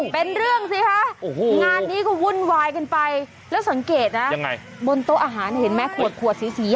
เป็นเรื่องสิคะงานนี้ก็วุ่นวายกันไปแล้วสังเกตนะยังไงบนโต๊ะอาหารเห็นไหมขวดขวดสี